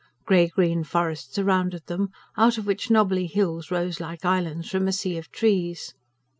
Grey green forest surrounded them, out of which nobbly hills rose like islands from a sea of trees.